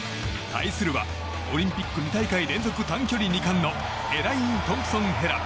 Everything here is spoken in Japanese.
対するは、オリンピック２大会連続短距離２冠のエライン・トンプソンヘラ。